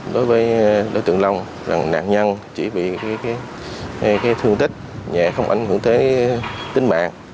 đối với đối tượng long là nạn nhân chỉ bị cái thương tích không ảnh hưởng tới tính mạng